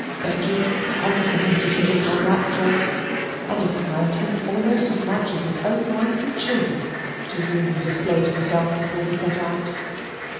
Becky complimented him upon that dress and admired him almost as much as his own wife and children, to whom he displayed himself before he set out.